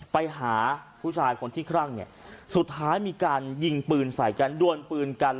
ไปหาผู้ชายคนที่ครั่งเนี่ยสุดท้ายมีการยิงปืนใส่กันด้วนปืนกัน